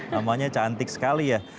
namanya cantik sekali ya